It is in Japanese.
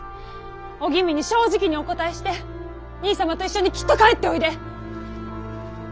お吟味に正直にお答えして兄さまと一緒にきっと帰っておいで。